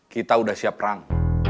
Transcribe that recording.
kita udah siap perang